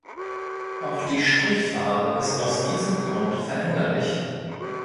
Auch die Strichfarbe ist aus diesem Grund veränderlich.